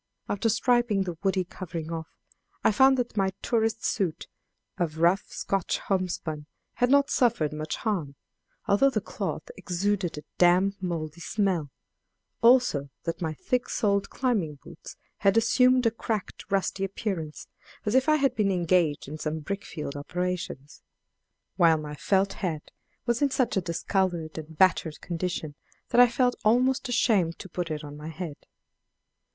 After stripping the woody covering off, I found that my tourist suit of rough Scotch homespun had not suffered much harm, although the cloth exuded a damp, moldy smell; also that my thick soled climbing boots had assumed a cracked rusty appearance as if I had been engaged in some brick field operations; while my felt hat was in such a discolored and battered condition that I felt almost ashamed to put it on my head.